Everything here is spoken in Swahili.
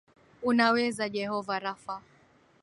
Unaweza Jehovah Rapha,